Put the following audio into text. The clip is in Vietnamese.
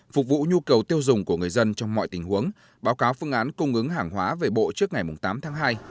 phục vụ nhu cầu tiêu dùng của người dân trong mọi tình huống báo cáo phương án cung ứng hàng hóa về bộ trước ngày tám tháng hai